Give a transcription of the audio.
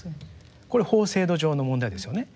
これ法制度上の問題ですよね。